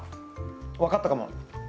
分かったかも。